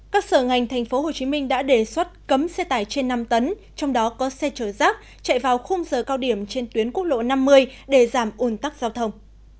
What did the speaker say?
các sở ngành tp hcm đã đề xuất cấm xe tải trên năm tấn trong đó có xe chở rác chạy vào khung giờ cao điểm trên tuyến quốc lộ năm mươi để giảm ồn tắc giao thông